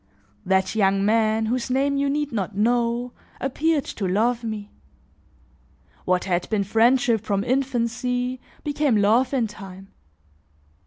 "That young man, whose name you need not know, appeared to love me. What had been friendship from infancy, became love in time.